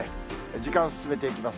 時間進めていきます。